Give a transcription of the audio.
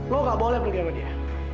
lo gak boleh bergama dia